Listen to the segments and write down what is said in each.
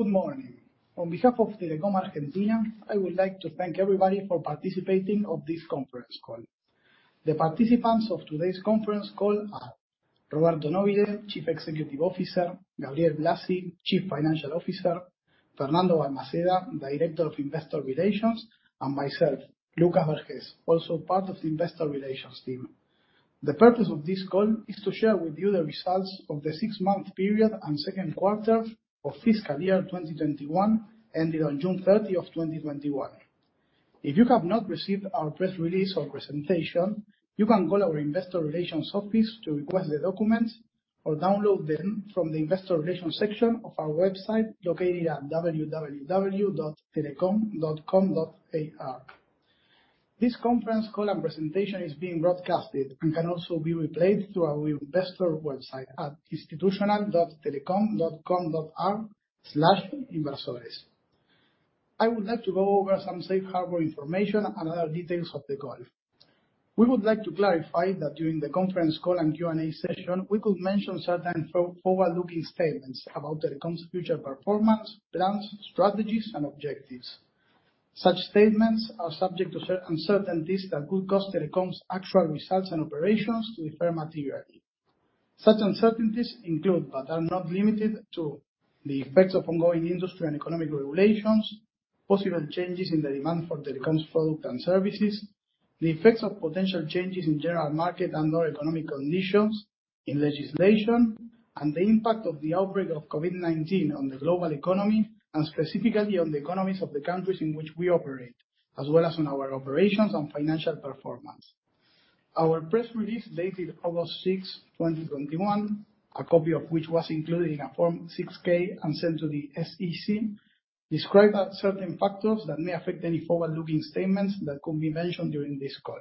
Good morning. On behalf of Telecom Argentina, I would like to thank everybody for participating in this conference call. The participants of today's conference call are Roberto Nobile, Chief Executive Officer, Gabriel Blasi, Chief Financial Officer, Fernando Balmaceda, Director of Investor Relations, and myself, Lucas Borges, also part of the investor relations team. The purpose of this call is to share with you the results of the six-month period and second quarter of fiscal year 2021, ending on June 30, 2021. If you have not received our press release or presentation, you can call our investor relations office to request the documents or download them from the investor relations section of our website located at www.telecom.com.ar. This conference call and presentation is being broadcasted and can also be replayed through our investor website at institutional.telecom.com.ar/inversores. I would like to go over some safe harbor information and other details of the call. We would like to clarify that during the conference call and Q&A session, we could mention certain forward-looking statements about Telecom's future performance, plans, strategies, and objectives. Such statements are subject to uncertainties that could cause Telecom's actual results and operations to differ materially. Such uncertainties include, but are not limited to, the effects of ongoing industry and economic regulations, possible changes in the demand for Telecom's products and services, the effects of potential changes in general market and/or economic conditions in legislation, and the impact of the outbreak of COVID-19 on the global economy, and specifically on the economies of the countries in which we operate, as well as on our operations and financial performance. Our press release, dated August 6th, 2021, a copy of which was included in a Form 6-K and sent to the SEC, described certain factors that may affect any forward-looking statements that could be mentioned during this call.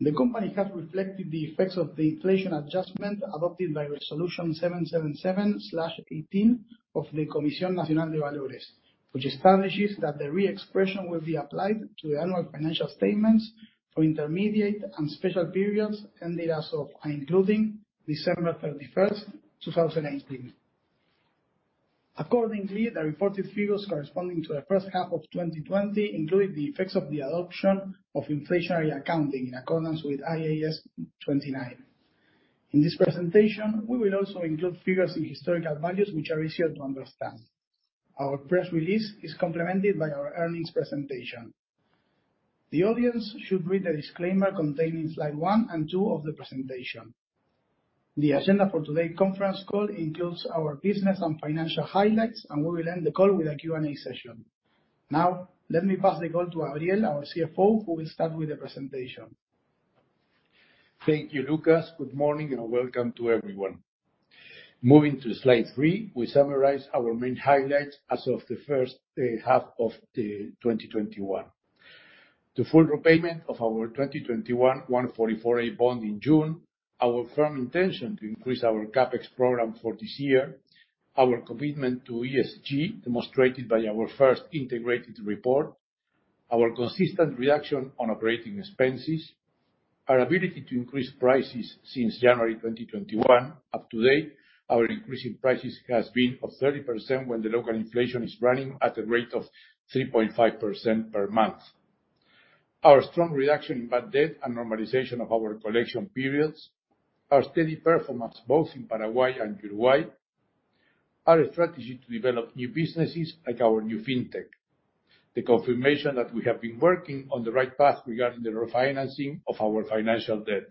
The company has reflected the effects of the inflation adjustment adopted by Resolution 777/18 of the Comisión Nacional de Valores, which establishes that the re-expression will be applied to the annual financial statements for intermediate and special periods ending as of, and including December 31st, 2018. Accordingly, the reported figures corresponding to the first half of 2020 include the effects of the adoption of inflationary accounting in accordance with IAS 29. In this presentation, we will also include figures in historical values which are easier to understand. Our press release is complemented by our earnings presentation. The audience should read the disclaimer contained in slide one and two of the presentation. The agenda for today's conference call includes our business and financial highlights, and we will end the call with a Q&A session. Now, let me pass the call to Ariel, our CFO, who will start with the presentation. Thank you, Lucas. Good morning, and welcome to everyone. Moving to slide three, we summarize our main highlights as of the first half of 2021. The full repayment of our 2021 144A bond in June, our firm intention to increase our CapEx program for this year, our commitment to ESG demonstrated by our first integrated report, our consistent reduction on operating expenses, our ability to increase prices since January 2021. Up today, our increase in prices has been of 30% when the local inflation is running at a rate of 3.5% per month. Our strong reduction in bad debt and normalization of our collection periods, our steady performance both in Paraguay and Uruguay, our strategy to develop new businesses like our new fintech. The confirmation that we have been working on the right path regarding the refinancing of our financial debt.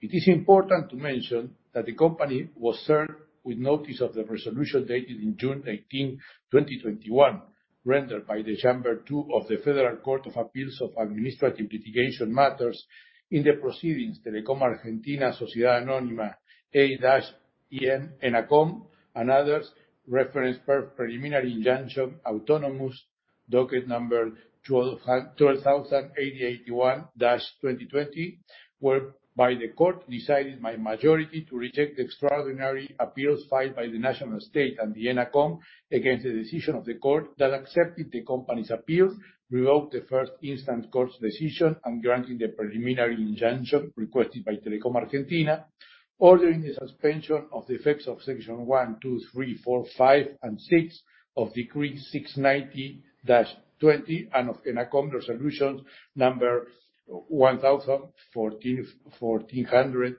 It is important to mention that the company was served with notice of the resolution dated in June 18, 2021, rendered by the Chamber 2 of the Federal Court of Appeals of Administrative Litigation Matters in the proceedings Telecom Argentina Sociedad Anónima A-EM ENACOM, and others, reference per preliminary injunction, autonomous docket number 12,08081-2020, whereby the court decided by majority to reject the extraordinary appeals filed by the national state and the ENACOM against the decision of the court that accepted the company's appeals, revoked the first instant court's decision, and granting the preliminary injunction requested by Telecom Argentina, ordering the suspension of the effects of Section 1, 2, 3, 4, 5, and 6 of Decree 690-20 and of ENACOM resolutions number 1,466/2020,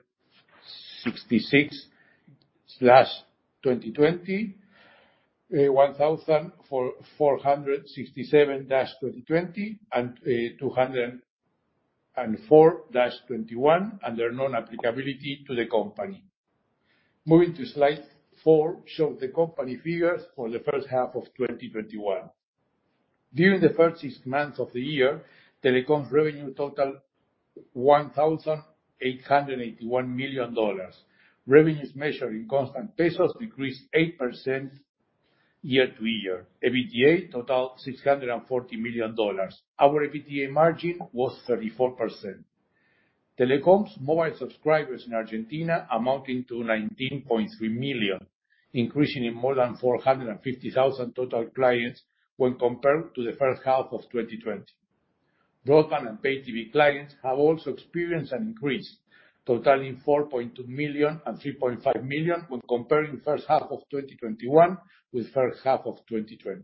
1,467-2020, and 204-21, and their non-applicability to the company. Moving to slide four, shows the company figures for the first half of 2021. During the first six months of the year, Telecom's revenue totaled ARS 1,881 million. Revenues measured in constant pesos decreased 8% year-to-year. EBITDA totaled ARS 640 million. Our EBITDA margin was 34%. Telecom's mobile subscribers in Argentina amounting to 19.3 million, increasing in more than 450,000 total clients when compared to the first half of 2020. Broadband and pay TV clients have also experienced an increase, totaling 4.2 million and 3.5 million when comparing first half of 2021 with first half of 2020.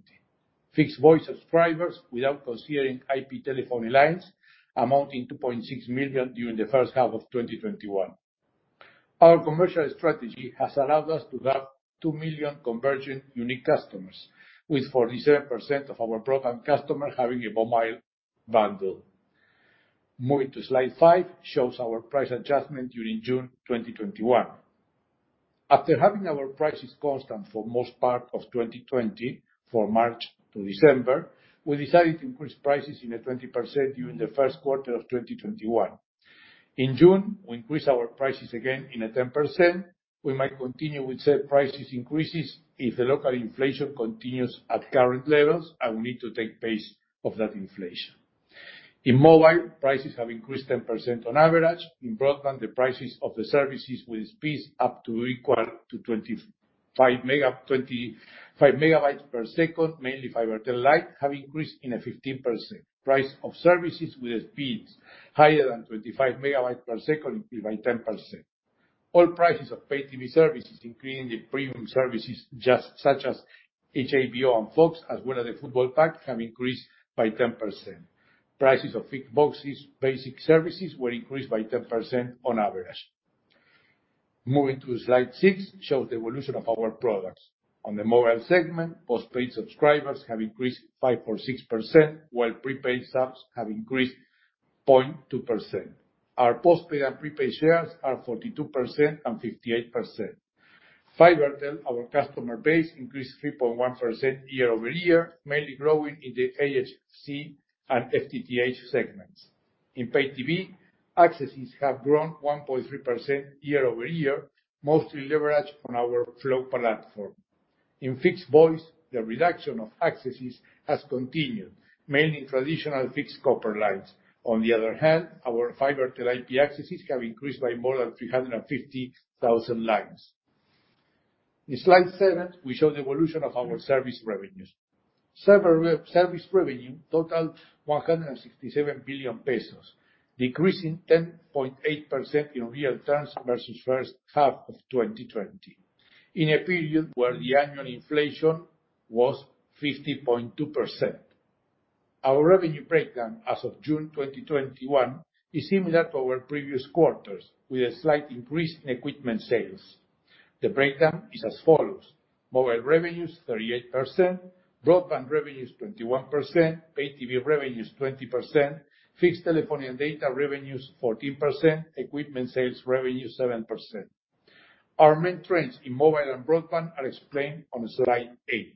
Fixed voice subscribers, without considering IP telephone lines, amounting to 2.6 million during the first half of 2021. Our commercial strategy has allowed us to have 2 million convergent unique customers, with 47% of our broadband customers having a mobile bundle. Moving to slide 5, shows our price adjustment during June 2021. After having our prices constant for most part of 2020, from March to December, we decided to increase prices in 20% during the first quarter of 2021. In June, we increased our prices again in 10%. We might continue with said price increases if the local inflation continues at current levels, and we need to take pace of that inflation. In mobile, prices have increased 10% on average. In broadband, the prices of the services with speeds up to equal to 25 MB/s mainly Fibertel Lite, have increased in 15%. Price of services with speeds higher than 25 MB/s increased by 10%. All prices of pay TV services, including the premium services such as HBO and Fox, as well as the football pack, have increased by 10%. Prices of fixed boxes basic services were increased by 10% on average. Moving to slide six, shows the evolution of our products. On the mobile segment, postpaid subscribers have increased 5.6%, while prepaid subs have increased 0.2%. Our postpaid and prepaid shares are 42% and 58%. Fibertel, our customer base increased 3.1% year-over-year, mainly growing in the HFC and FTTH segments. In pay TV, accesses have grown 1.3% year-over-year, mostly leveraged on our Flow platform. In fixed voice, the reduction of accesses has continued, mainly traditional fixed copper lines. On the other hand, our Fibertel IP accesses have increased by more than 350,000 lines. In slide seven, we show the evolution of our service revenues. Service revenue totaled ARS 167 billion, decreasing 10.8% in real terms versus first half of 2020, in a period where the annual inflation was 50.2%. Our revenue breakdown as of June 2021 is similar to our previous quarters, with a slight increase in equipment sales. The breakdown is as follows: mobile revenues 38%, broadband revenues 21%, pay TV revenues 20%, fixed telephone and data revenues 14%, equipment sales revenues 7%. Our main trends in mobile and broadband are explained on slide eight.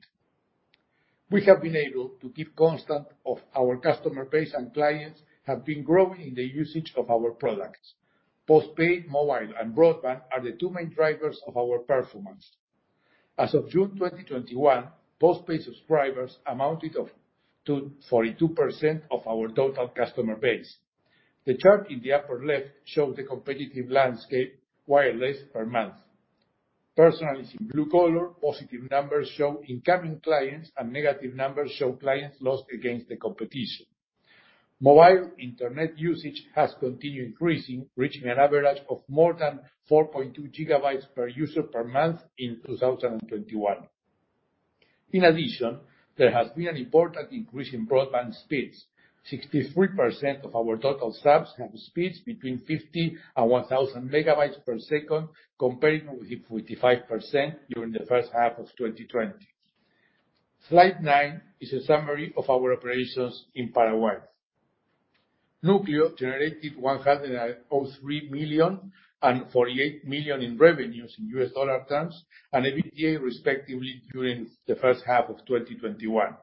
We have been able to keep constant of our customer base and clients have been growing in the usage of our products. Postpaid mobile and broadband are the two main drivers of our performance. As of June 2021, postpaid subscribers amounted to 42% of our total customer base. The chart in the upper left shows the competitive landscape wireless per month. Personal, it's in blue color, positive numbers show incoming clients, and negative numbers show clients lost against the competition. Mobile internet usage has continued increasing, reaching an average of more than 4.2 GB per user per month in 2021. In addition, there has been an important increase in broadband speeds. 63% of our total subs have speeds between 50 and 1,000 MB/s, comparing with 45% during the first half of 2020. Slide nine is a summary of our operations in Paraguay. Núcleo generated $103 million and $48 million in revenues in U.S. dollar terms and EBITDA, respectively, during the first half of 2021.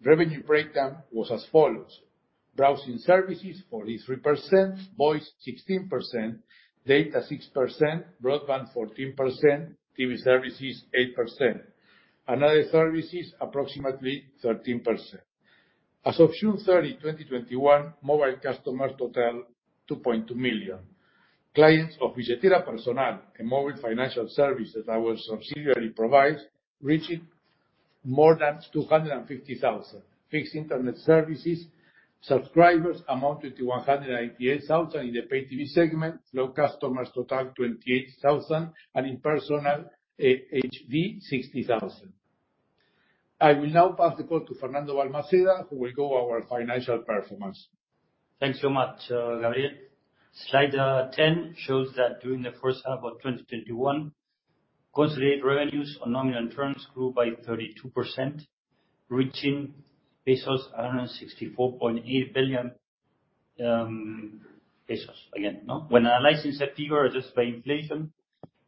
Revenue breakdown was as follows: browsing services 43%, voice 16%, data 6%, broadband 14%, TV services 8%, and other services approximately 13%. As of June 30, 2021, mobile customers total 2.2 million. Clients of Billetera Personal, a mobile financial service that our subsidiary provides, reached more than 250,000. Fixed internet services subscribers amounted to 188,000 in the pay TV segment. Flow customers total 28,000, and in Personal HD, 60,000. I will now pass the call to Fernando Balmaceda, who will go over our financial performance. Thanks so much, Gabriel. Slide 10 shows that during the first half of 2021, consolidated revenues on nominal terms grew by 32%, reaching pesos 164.8 billion, pesos again, no? When analyzing said figure adjusted by inflation,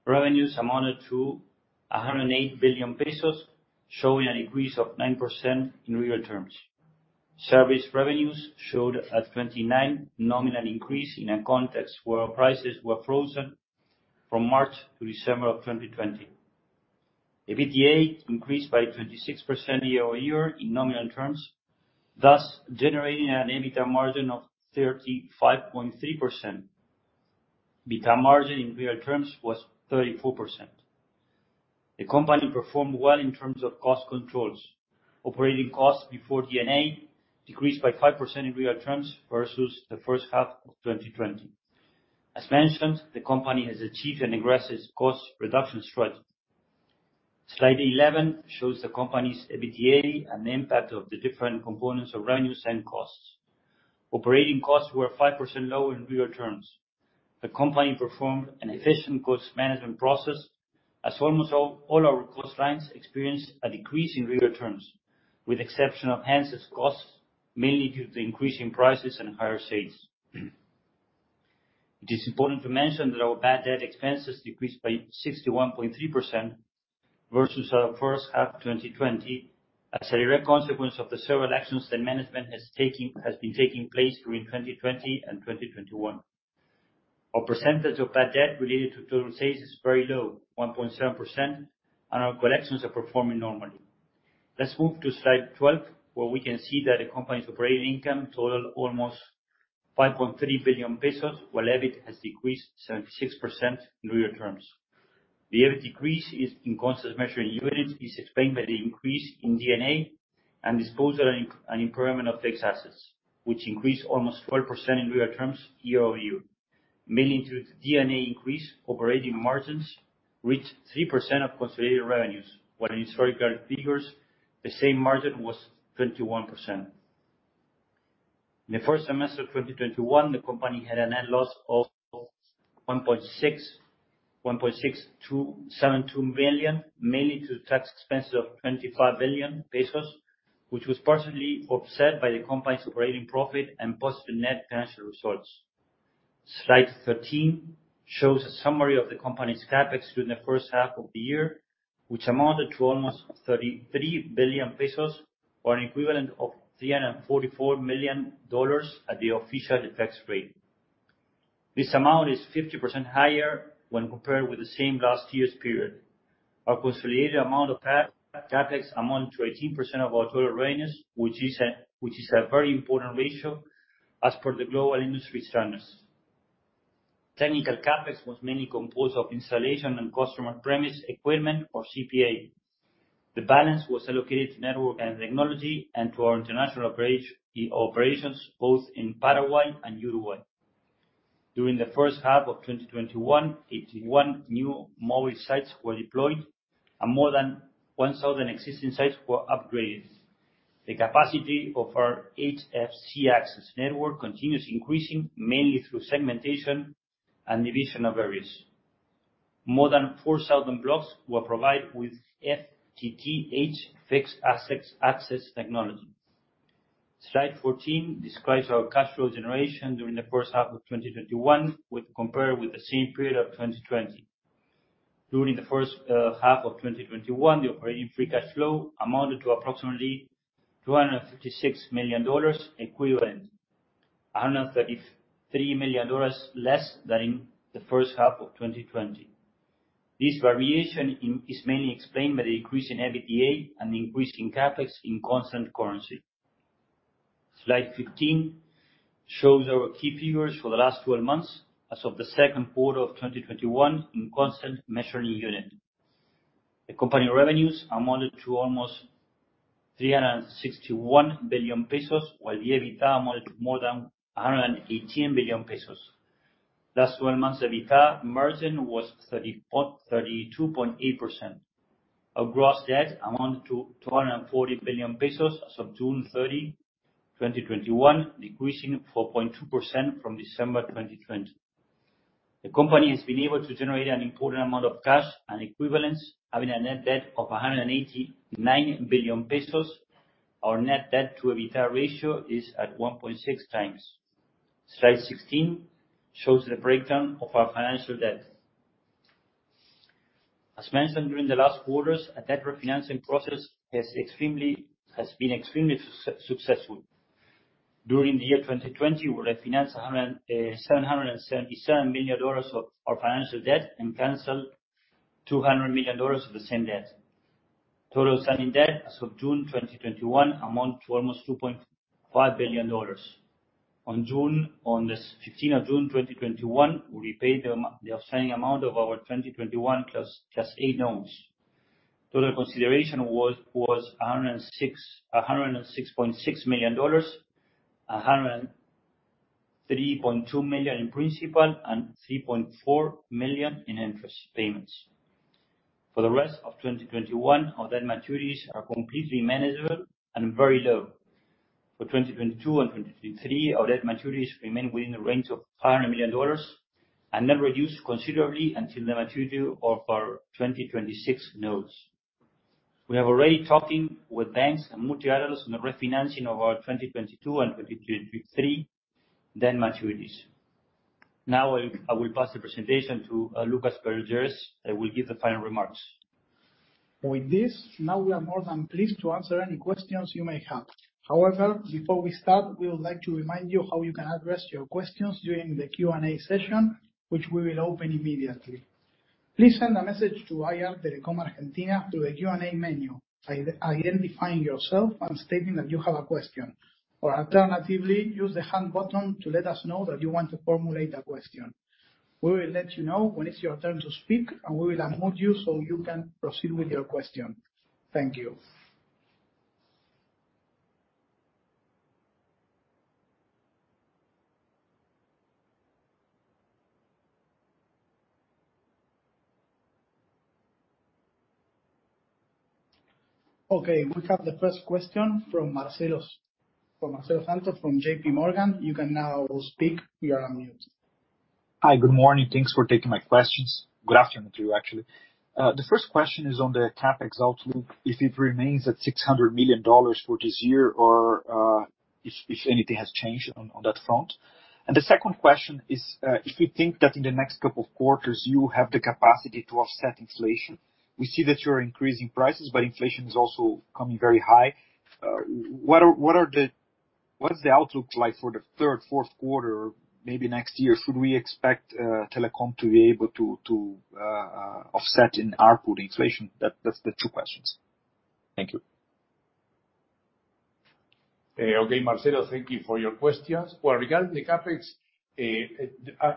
revenues amounted to 108 billion pesos, showing an increase of 9% in real terms. Service revenues showed a 29% nominal increase in a context where prices were frozen from March to December of 2020. EBITDA increased by 26% year-over-year in nominal terms, thus generating an EBITDA margin of 35.3%. EBITDA margin in real terms was 34%. The company performed well in terms of cost controls. Operating costs before D&A decreased by 5% in real terms versus the first half of 2020. As mentioned, the company has achieved an aggressive cost reduction strategy. Slide 11 shows the company's EBITDA and the impact of the different components of revenues and costs. Operating costs were 5% lower in real terms. The company performed an efficient cost management process, as almost all our cost lines experienced a decrease in real terms, with exception of access costs, mainly due to increase in prices and higher sales. It is important to mention that our bad debt expenses decreased by 61.3% versus our first half 2020, as a direct consequence of the several actions that management has been taking place during 2020 and 2021. Our percentage of bad debt related to total sales is very low, 1.7%, and our collections are performing normally. Let's move to slide 12, where we can see that the company's operating income total almost 5.3 billion pesos, while EBIT has decreased 76% in real terms. The EBIT decrease is in constant measure in units, is explained by the increase in D&A and disposal and impairment of fixed assets, which increased almost 12% in real terms year-over-year. Mainly due to D&A increase, operating margins reached 3% of consolidated revenues, while in historical figures, the same margin was 21%. In the first semester of 2021, the company had a net loss of 1.672 billion, mainly due to tax expenses of 25 billion pesos, which was partially offset by the company's operating profit and positive net financial results. Slide 13 shows a summary of the company's CapEx during the first half of the year, which amounted to almost 33 billion pesos, or an equivalent of $344 million at the official tax rate. This amount is 50% higher when compared with the same last year's period. Our consolidated amount of CapEx amount to 18% of our total revenues, which is a very important ratio as per the global industry standards. Technical CapEx was mainly composed of installation and Customer premises equipment or CPE. The balance was allocated to network and technology and to our international operations, both in Paraguay and Uruguay. During the first half of 2021, 81 new mobile sites were deployed and more than 1,000 existing sites were upgraded. The capacity of our HFC access network continues increasing, mainly through segmentation and division of areas. More than 4,000 blocks were provided with FTTH fixed access technology. Slide 14 describes our cash flow generation during the first half of 2021 when compared with the same period of 2020. During the first half of 2021, the operating free cash flow amounted to approximately ARS 256 million, equivalent ARS 133 million less than in the first half of 2020. This variation is mainly explained by the increase in EBITDA and the increase in CapEx in constant currency. Slide 15 shows our key figures for the last 12 months as of the second quarter of 2021 in constant measuring unit. The company revenues amounted to almost 361 billion pesos, while the EBITDA amounted to more than 118 billion pesos. Last 12 months, EBITDA margin was 32.8%. Our gross debt amounted to 240 billion pesos as of June 30, 2021, decreasing 4.2% from December 2020. The company has been able to generate an important amount of cash and equivalents, having a net debt of 189 billion pesos. Our net debt to EBITDA ratio is at 1.6x. Slide 16 shows the breakdown of our financial debt. As mentioned during the last quarters, a debt refinancing process has been extremely successful. During the year 2020, we refinanced ARS 777 million of our financial debt and canceled ARS 200 million of the same debt. Total outstanding debt as of June 2021 amount to almost ARS 2.5 billion. On the 15th of June 2021, we repaid the outstanding amount of our 2021 Class A notes. Total consideration was ARS 106.6 million, 103.2 million in principal, and 3.4 million in interest payments. For the rest of 2021, our debt maturities are completely manageable and very low. For 2022 and 2023, our debt maturities remain within the range of ARS 500 million and then reduce considerably until the maturity of our 2026 notes. We are already talking with banks and multilaterals on the refinancing of our 2022 and 2023 debt maturities. Now, I will pass the presentation to Lucas Borges, who will give the final remarks. With this, now we are more than pleased to answer any questions you may have. However, before we start, we would like to remind you how you can address your questions during the Q&A session, which we will open immediately. Please send a message to IR Telecom Argentina through the Q&A menu, identifying yourself and stating that you have a question. Or alternatively, use the Hand button to let us know that you want to formulate a question. We will let you know when it's your turn to speak, and we will unmute you so you can proceed with your question. Thank you. Okay, we have the first question from Marcelo Santos from JPMorgan. You can now speak. You are unmuted. Hi. Good morning. Thanks for taking my questions. Good afternoon to you, actually. The first question is on the CapEx outlook, if it remains at ARS 600 million for this year or if anything has changed on that front. The second question is if you think that in the next couple of quarters, you have the capacity to offset inflation. We see that you're increasing prices, but inflation is also coming very high. What is the outlook like for the third, fourth quarter, maybe next year? Should we expect Telecom to be able to offset in ARPU the inflation? That's the two questions. Thank you. Okay, Marcelo Santos. Thank you for your questions. Well, regarding the CapEx,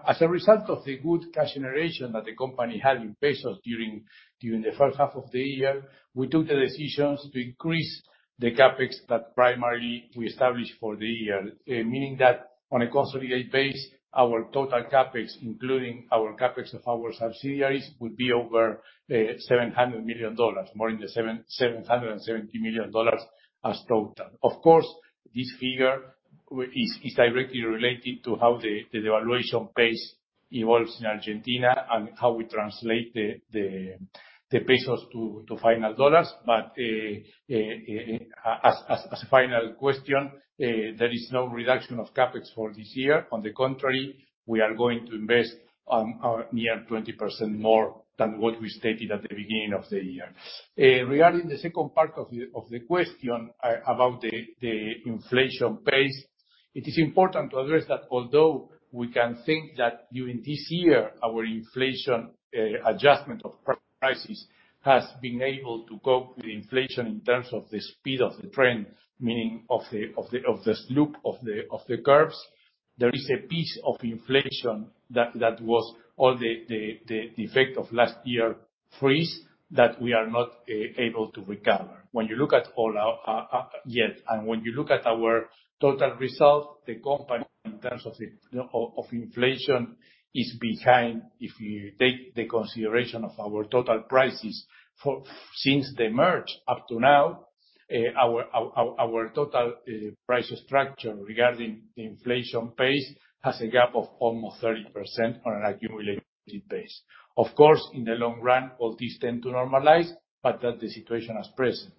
as a result of the good cash generation that the company had in pesos during the first half of the year, we took the decisions to increase the CapEx that primarily we established for the year. Meaning that on a consolidated base, our total CapEx, including our CapEx of our subsidiaries, would be over $700 million, more in the $770 million as total. Of course, this figure is directly related to how the devaluation pace evolves in Argentina and how we translate the pesos to final dollars. As a final question, there is no reduction of CapEx for this year. On the contrary, we are going to invest near 20% more than what we stated at the beginning of the year. Regarding the second part of the question about the inflation pace, it is important to address that although we can think that during this year, our inflation adjustment of prices has been able to cope with inflation in terms of the speed of the trend, meaning of the slope of the curves. There is a piece of inflation that was all the effect of last year freeze that we are not able to recover yet. When you look at our total results, the company in terms of inflation is behind if you take the consideration of our total prices since the merge up to now, our total price structure regarding the inflation pace has a gap of almost 30% on an accumulated base. Of course, in the long run, all these tend to normalize, but that's the situation as present.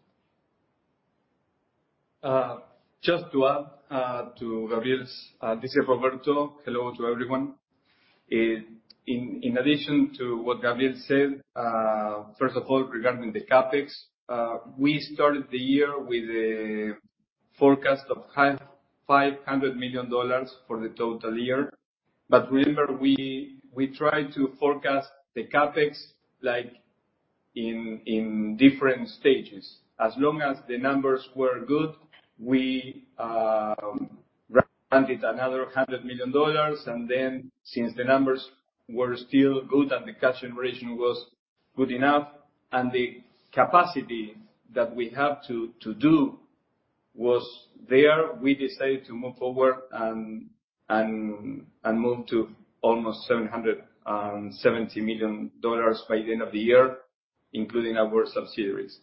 Just to add to Gabriel's. This is Roberto. Hello to everyone. In addition to what Gabriel said, first of all, regarding the CapEx, we started the year with a forecast of ARS 500 million for the total year. Remember, we try to forecast the CapEx in different stages. As long as the numbers were good, we granted another ARS 100 million. Since the numbers were still good and the cash generation was good enough, and the capacity that we had to do was there, we decided to move forward and move to almost ARS 770 million by the end of the year, including our subsidiaries.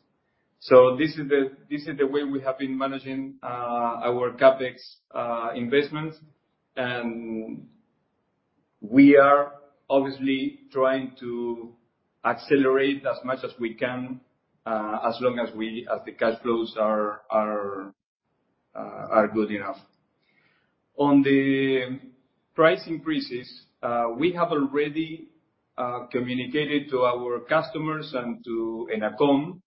This is the way we have been managing our CapEx investments. We are obviously trying to accelerate as much as we can as long as the cash flows are good enough. On the price increases, we have already communicated to our customers and to ENACOM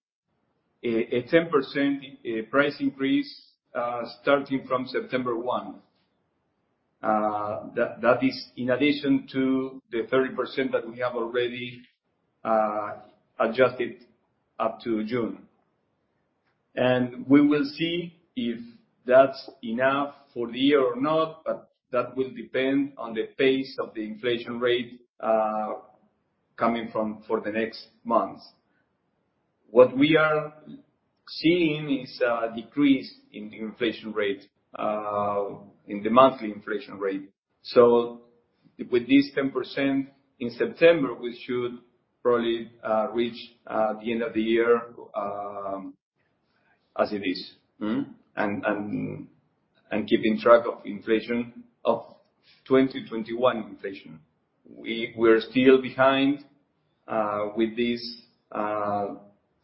a 10% price increase starting from September 1. That is in addition to the 30% that we have already adjusted up to June. We will see if that's enough for the year or not, but that will depend on the pace of the inflation rate coming for the next months. What we are seeing is a decrease in the monthly inflation rate. With this 10% in September, we should probably reach the end of the year as it is. Keeping track of inflation of 2021 inflation. We're still behind with this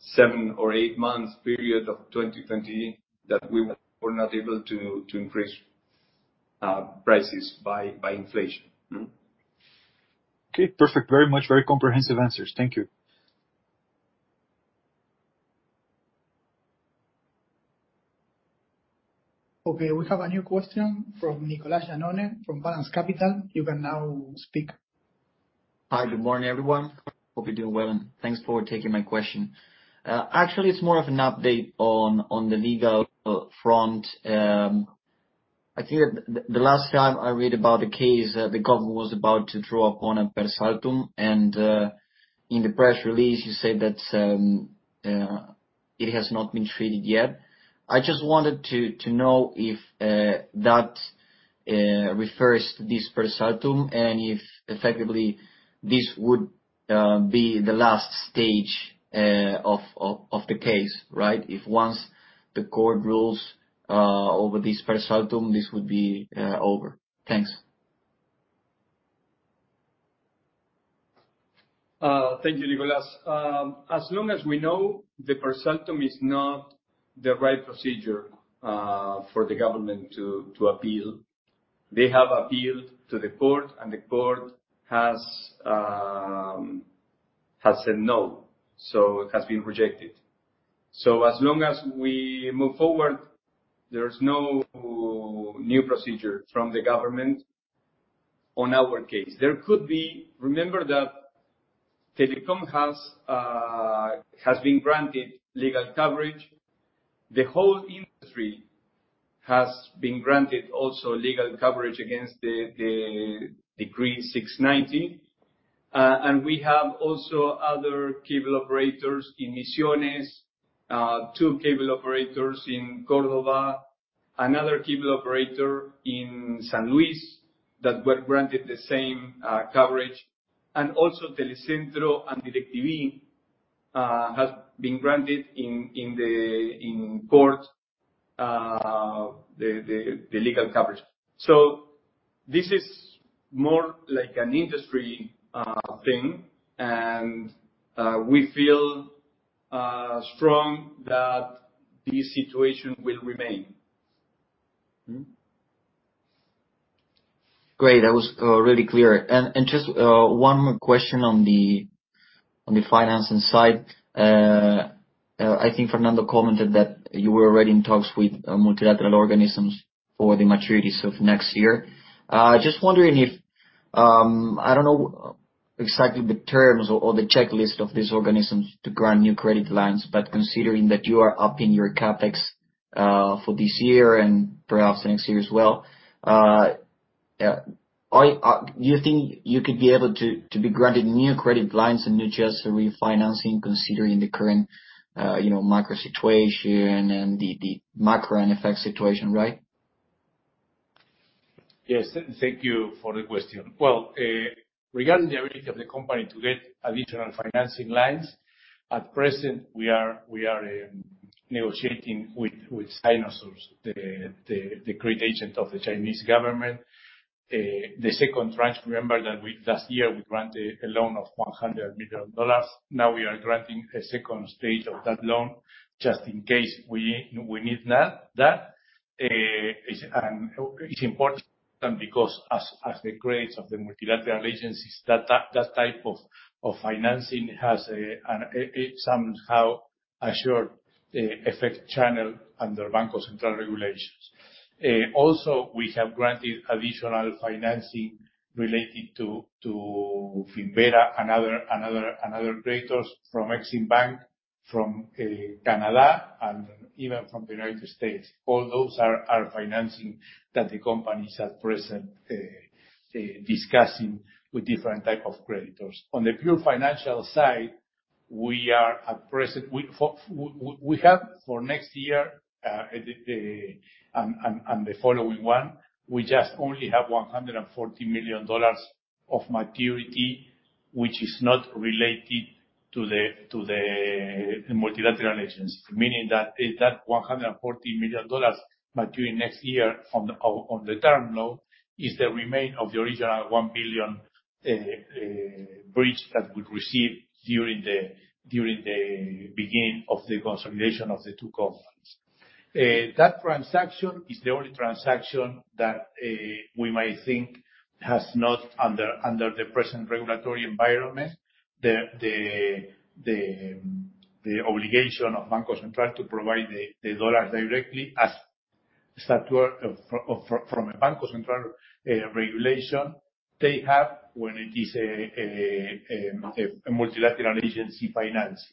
7 or 8 months period of 2020 that we were not able to increase prices by inflation. Okay, perfect. Very much, very comprehensive answers. Thank you. Okay, we have a new question from Nicolas Giannone, from Balanz Capital. You can now speak. Hi. Good morning, everyone. Hope you're doing well, and thanks for taking my question. Actually, it's more of an update on the legal front. I think the last time I read about the case, the government was about to draw upon a per saltum, and in the press release, you said that it has not been treated yet. I just wanted to know if that refers to this per saltum and if effectively this would be the last stage of the case, right? If once the court rules over this per saltum, this would be over. Thanks. Thank you, Nicolas. As long as we know, the per saltum is not the right procedure for the government to appeal. They have appealed to the court, and the court has said no. It has been rejected. As long as we move forward, there's no new procedure from the government on our case. Remember that Telecom has been granted legal coverage. The whole industry has been granted also legal coverage against the Decree 690, and we have also other cable operators in Misiones, two cable operators in Córdoba, another cable operator in San Luis that were granted the same coverage, and also Telecentro and DIRECTV has been granted in court the legal coverage. This is more like an industry thing, and we feel strong that this situation will remain. Great. That was really clear. Just one more question on the financing side. I think Fernando commented that you were already in talks with multilateral organisms for the maturities of next year. I don't know exactly the terms or the checklist of these organisms to grant new credit lines, considering that you are upping your CapEx for this year and perhaps next year as well, do you think you could be able to be granted new credit lines and new just refinancing considering the current macro situation and the macro effect situation, right? Yes. Thank you for the question. Well, regarding the ability of the company to get additional financing lines, at present, we are negotiating with Sinosure, the credit agent of the Chinese government. The 2nd tranche, remember that last year, we granted a loan of $100 million. Now we are granting a second stage of that loan just in case we need that. It's important because as the grades of the multilateral agencies, that type of financing has somehow assured effect channel under Banco Central regulations. We have also granted additional financing relating to Finnvera and other creditors from Exim Bank, from Canada, and even from the U.S. All those are financing that the company is at present discussing with different type of creditors. On the pure financial side, we have for next year and the following one, we just only have $140 million of maturity, which is not related to the multilateral agency. Meaning that $140 million maturing next year on the term loan is the remain of the original $1 billion bridge that we received during the beginning of the consolidation of the two companies. That transaction is the only transaction that we may think has not, under the present regulatory environment, the obligation of Banco Central to provide the dollars directly as stature from a Banco Central regulation they have when it is a multilateral agency finance.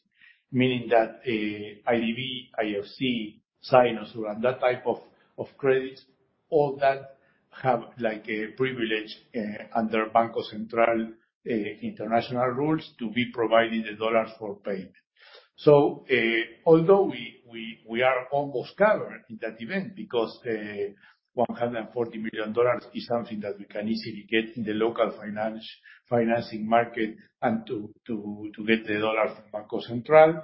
Meaning that IDB, IFC, Sinosure, and that type of credits, all that have a privilege under Banco Central international rules to be provided the dollars for payment. Although we are almost covered in that event because ARS 140 million is something that we can easily get in the local financing market and to get the dollar from Banco Central,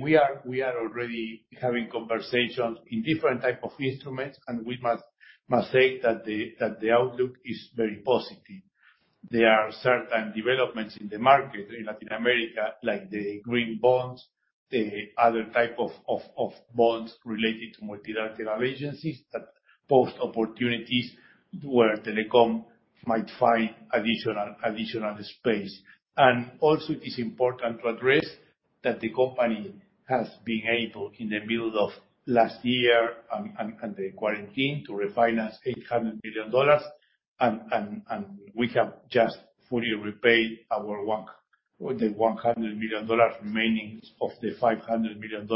we are already having conversations in different type of instruments, and we must say that the outlook is very positive. There are certain developments in the market in Latin America, like the green bonds, the other type of bonds related to multilateral agencies that pose opportunities where Telecom might find additional space. Also, it is important to address that the company has been able, in the middle of last year and the quarantine, to refinance ARS 800 million. We have just fully repaid the $100 million remaining of the $500 million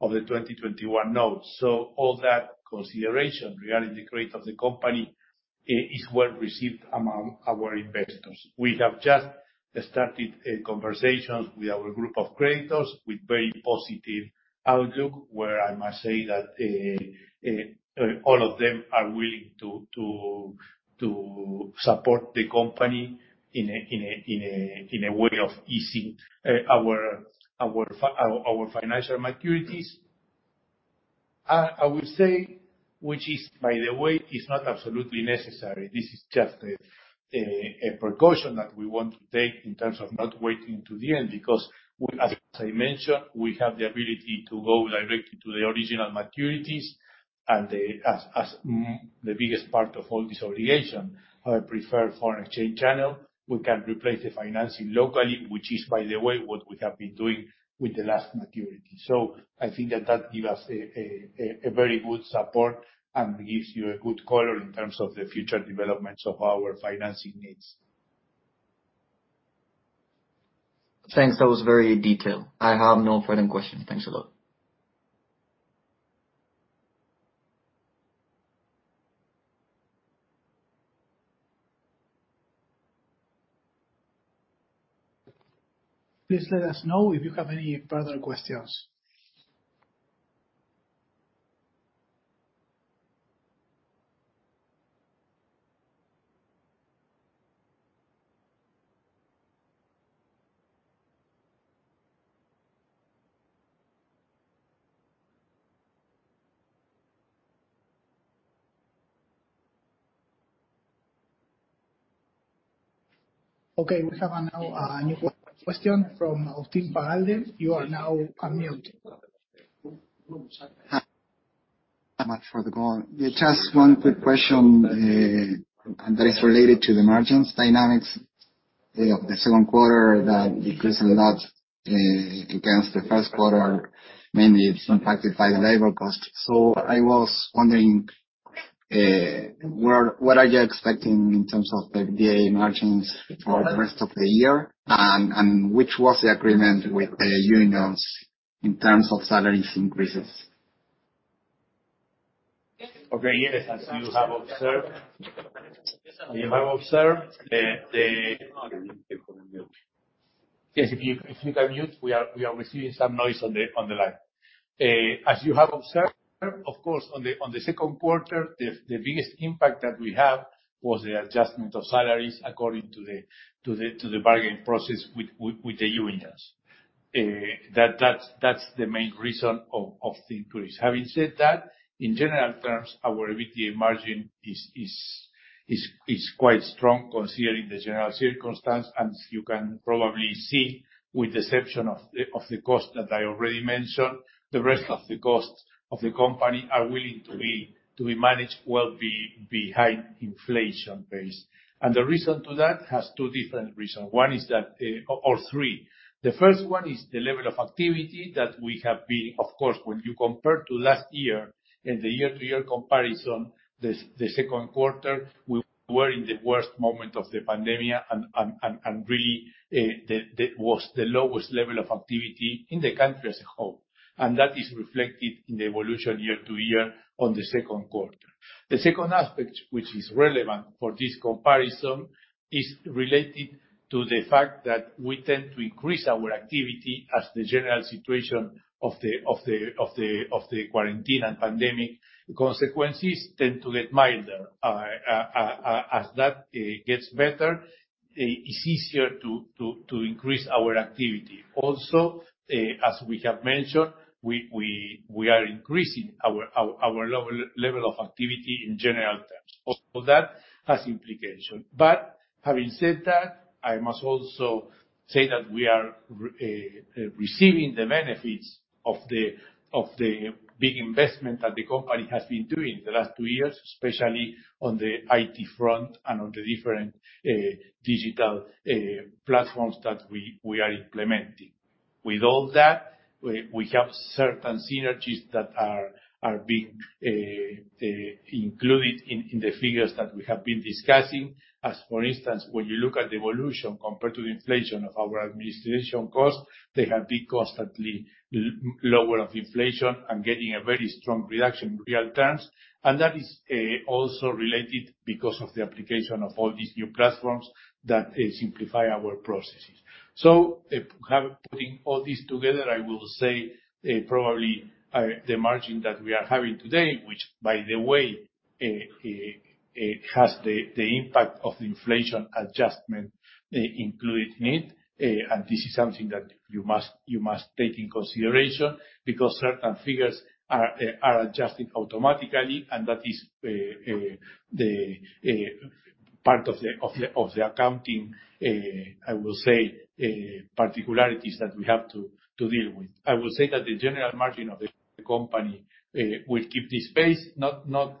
of the 2021 note. All that consideration regarding the credit of the company is well received among our investors. We have just started conversations with our group of creditors with very positive outlook, where I must say that all of them are willing to support the company in a way of easing our financial maturities. I would say, which, by the way, is not absolutely necessary. This is just a precaution that we want to take in terms of not waiting to the end, because as I mentioned, we have the ability to go directly to the original maturities and as the biggest part of all this obligation, our preferred foreign exchange channel, we can replace the financing locally, which is, by the way, what we have been doing with the last maturity. I think that gives us a very good support and gives you a good color in terms of the future developments of our financing needs. Thanks. That was very detailed. I have no further questions. Thanks a lot. Please let us know if you have any further questions. Okay, we have now a new question from Octin Faralde. You are now unmuted. Thanks so much for the call. Just one quick question, and that is related to the margins dynamics of the second quarter that decreased a lot against the first quarter, mainly it's impacted by labor cost. I was wondering, what are you expecting in terms of the EBITDA margins for the rest of the year? Which was the agreement with the unions in terms of salaries increases? Okay. Yes, as you have observed, if you can mute, we are receiving some noise on the line. As you have observed, of course, on the second quarter, the biggest impact that we had was the adjustment of salaries according to the bargaining process with the unions. That's the main reason of the increase. Having said that, in general terms, our EBITDA margin is quite strong considering the general circumstance. As you can probably see, with the exception of the cost that I already mentioned, the rest of the costs of the company are willing to be managed well behind inflation base. The reason to that has two different reasons, or three. The first one is the level of activity that we have been, of course, when you compare to last year, in the year-to-year comparison, the second quarter, we were in the worst moment of the pandemic and really, that was the lowest level of activity in the country as a whole. That is reflected in the evolution year-to-year on the second quarter. The second aspect which is relevant for this comparison is related to the fact that we tend to increase our activity as the general situation of the quarantine and pandemic consequences tend to get milder. As that gets better, it's easier to increase our activity. Also, as we have mentioned, we are increasing our level of activity in general terms. Also, that has implications. Having said that, I must also say that we are receiving the benefits of the big investment that the company has been doing the last two years, especially on the IT front and on the different digital platforms that we are implementing. With all that, we have certain synergies that are being included in the figures that we have been discussing. As for instance, when you look at the evolution compared to the inflation of our administration cost, they have been constantly lower of inflation and getting a very strong reduction in real terms. That is also related because of the application of all these new platforms that simplify our processes. Putting all this together, I will say probably, the margin that we are having today, which by the way, has the impact of the inflation adjustment included in it. This is something that you must take into consideration because certain figures are adjusting automatically, and that is part of the accounting, I will say, particularities that we have to deal with. I will say that the general margin of the company will keep this pace. Not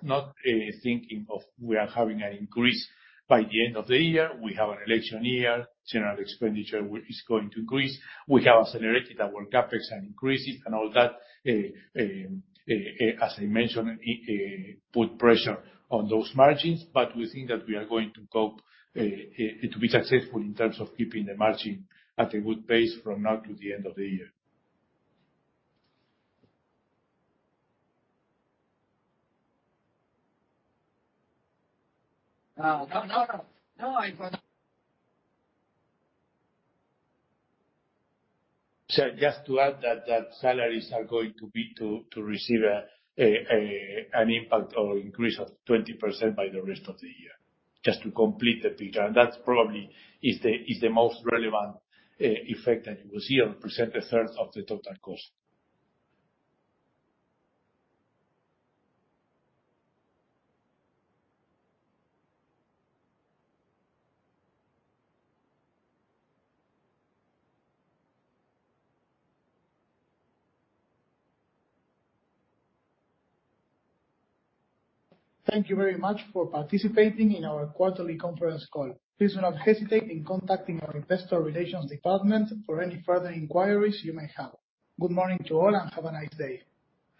thinking of we are having an increase by the end of the year. We have an election year. General expenditure is going to increase. We have accelerated our CapEx and increases and all that. As I mentioned, put pressure on those margins. We think that we are going to cope to be successful in terms of keeping the margin at a good pace from now to the end of the year. No, I was. Just to add that salaries are going to receive an impact or increase of 20% by the rest of the year. Just to complete the picture. That probably is the most relevant effect that you will see. It represents a third of the total cost. Thank you very much for participating in our quarterly conference call. Please do not hesitate in contacting our investor relations department for any further inquiries you may have. Good morning to all, and have a nice day.